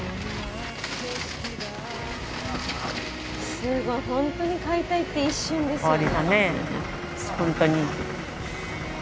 すごいホントに解体って一瞬ですよね。